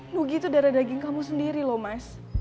nugi itu darah daging kamu sendiri loh mas